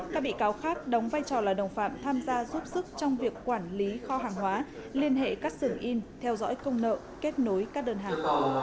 các bị cáo khác đóng vai trò là đồng phạm tham gia giúp sức trong việc quản lý kho hàng hóa liên hệ các sưởng in theo dõi công nợ kết nối các đơn hàng